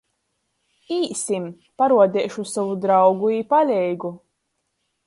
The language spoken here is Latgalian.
Īsim, paruodeišu sovu draugu i paleigu!